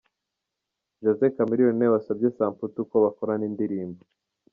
Jose Chameleone ni we wasabye Samputu ko bakorana indirimbo.